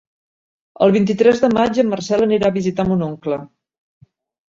El vint-i-tres de maig en Marcel anirà a visitar mon oncle.